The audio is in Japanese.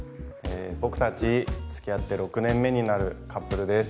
僕たち、つきあって６年目になるカップルです。